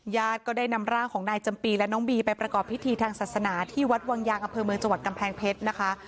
ญาติก็ได้นำร่างของนายจำปีและน้องบีไปประกอบพิธีทางศาสนาที่วัดวังยางอำเภอเมืองจังหวัดกำแพงเพชรนะคะ